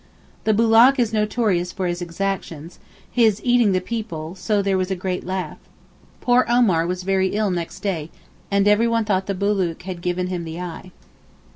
The Bulook is notorious for his exactions—his 'eating the people'—so there was a great laugh. Poor Omar was very ill next day—and every one thought the Bulook had given him the eye.